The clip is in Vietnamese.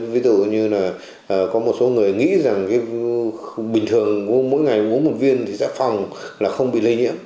ví dụ như là có một số người nghĩ rằng cái bình thường mỗi ngày uống một viên thì sẽ phòng là không bị lây nhiễm